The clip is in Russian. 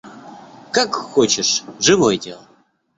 Как хочешь, живое дело!